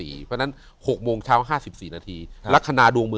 อยู่ที่แม่ศรีวิรัยิลครับ